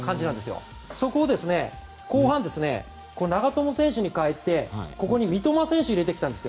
そこを後半、長友選手に代えてここに三笘選手を入れてきたんです。